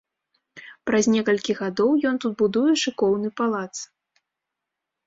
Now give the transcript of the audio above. Праз некалькі гадоў ён тут будуе шыкоўны палац.